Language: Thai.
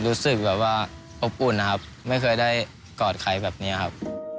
รู้สึกแบบว่าอบอุ่นนะครับไม่เคยได้กอดใครแบบนี้ครับ